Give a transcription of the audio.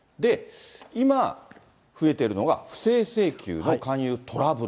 今、増えているのが不正請求の勧誘トラブル。